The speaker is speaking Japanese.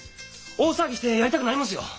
大騒ぎしてやりたくなりますよ。